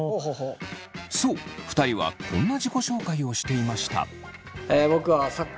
そう２人はこんな自己紹介をしていました。